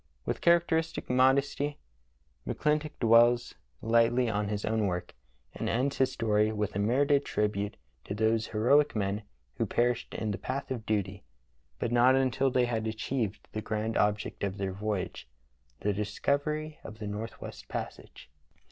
With characteristic modesty McClintock dwells i86 True Tales of Arctic Heroism lightly on his own work, and ends his story with a merited tribute to "those heroic men who perished in the path of duty, but not until they had achieved the grand object of their voyage — the discovery of the northwest passage.